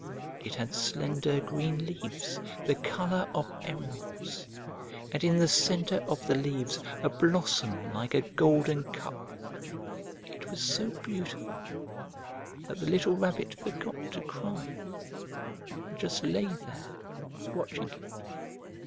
It had slender green leaves the colour of emeralds, and in the centre of the leaves a blossom like a golden cup. It was so beautiful that the little Rabbit forgot to cry, and just lay there watching it.